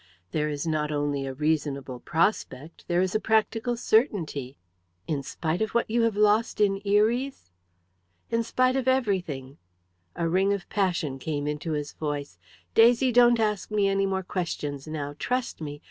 "There is not only a reasonable prospect, there is a practical certainty." "In spite of what you have lost in Eries?" "In spite of everything." A ring of passion came into his voice. "Daisy, don't ask me any more questions now. Trust me!